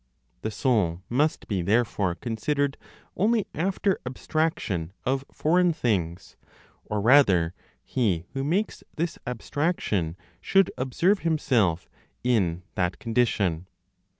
The soul must be therefore considered only after abstraction of foreign things, or rather, he who makes this abstraction should observe himself in that condition.